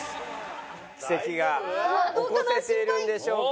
奇跡が起こせているんでしょうか。